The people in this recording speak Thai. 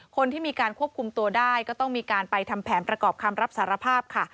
คนที่มีการควบคุมตัวได้ก็ต้องมีการไปทำแผนประกอบคำรับสารภาพค่ะ